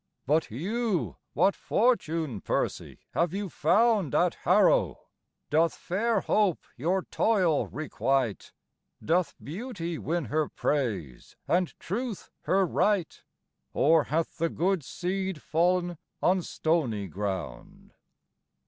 But you, what fortune, Percy, have you found At Harrow? doth fair hope your toil requite? Doth beauty win her praise and truth her right, Or hath the good seed fal'n on stony ground?